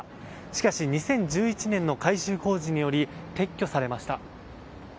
しかし２０１１年の改修工事により撤去されました。